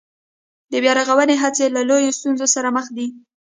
د بيا رغونې هڅې له لویو ستونزو سره مخ دي